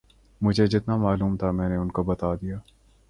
مجھے جتنا معلوم تھا وہ میں نے ان کو بتا دیا